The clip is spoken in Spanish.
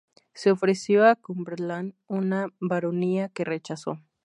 Se ofreció a Cumberland una "baronía" que rechazó.